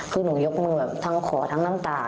คือหนูยกมือแบบทั้งขอทั้งน้ำตา